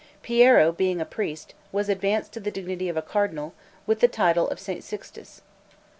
Piero being a priest, was advanced to the dignity of a cardinal, with the title of St. Sixtus.